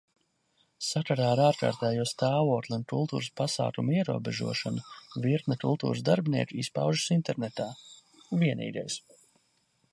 Sakarā ar ārkārtējo stāvokli un kultūras pasākumu ierobežošanu virkne kultūras darbinieku izpaužas internetā. Vienīgais.